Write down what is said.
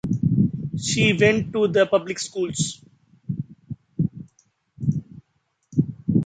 He went to the public schools.